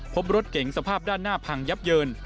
พบรถเก๋งสภาพด้านหน้าพังยับเยิน